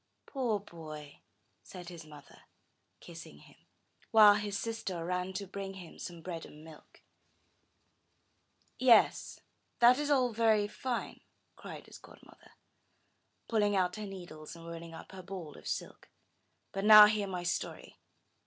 'Toor boy!" said his mother, kissing him, while his sister ran to bring him some bread and milk. *'Yes, that is all very fine," cried his godmother, pulling out her needles, and rolling up her ball of silk; but now hear my story!